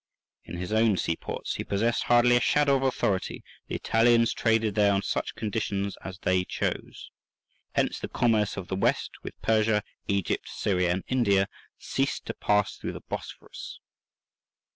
In his own seaports he possessed hardly a shadow of authority: the Italians traded there on such conditions as they chose. Hence the commerce of the West with Persia, Egypt, Syria, and India, ceased to pass through the Bosphorus.